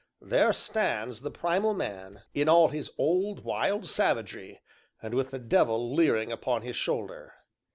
there stands the Primal Man in all his old, wild savagery, and with the devil leering upon his shoulder.